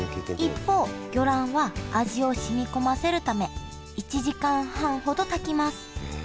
一方魚卵は味をしみこませるため１時間半ほど炊きますへえ。